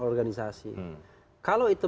organisasi kalau itu